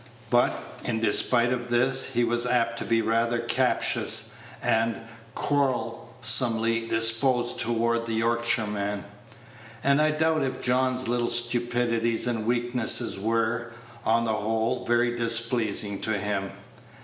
But, in despite of this, he was apt to be rather captious and quarrelsomely disposed toward the Yorkshireman; and I doubt if John's little stupidities and weaknesses were, on the whole, very displeasing to him.